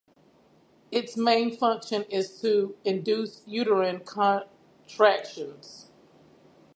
Its main function is to induce uterine contractions.